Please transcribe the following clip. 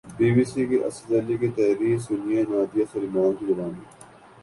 be B C کے اسد علی کی تحریر سنیے نادیہ سلیمان کی زبانی